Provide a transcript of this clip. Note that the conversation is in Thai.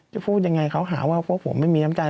พูดยังไงเขาหาว่าพวกผมไม่มีน้ำใจ